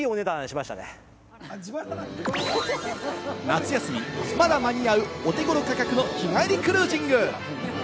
夏休み、まだ間に合う、お手頃価格の日帰りクルージング！